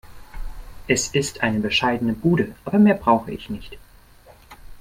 Es ist eine bescheidene Bude, aber mehr brauche ich nicht.